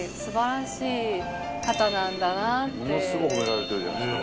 ものすごい褒められてるじゃないですか。